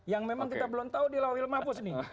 yang memang kita belum tahu di lawil mabus nih